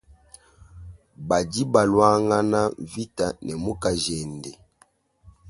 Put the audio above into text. Badi baluangana mvita ne mukajende.